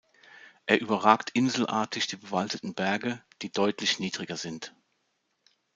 Er überragt inselartig die bewaldeten Berge, die deutlich niedriger sind.